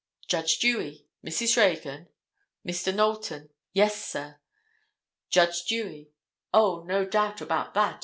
Judge Dewey; "Mrs. Reagan?" Mr. Knowlton; "Yes, sir." Judge Dewey; "O, no doubt about that.